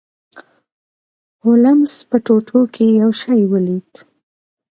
هولمز په ټوټو کې یو شی ولید.